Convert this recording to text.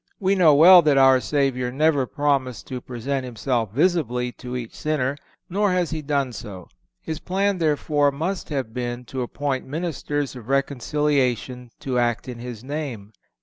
We know well that our Savior never promised to present Himself visibly to each sinner, nor has He done so. His plan, therefore, must have been to appoint ministers of reconciliation to act in His name.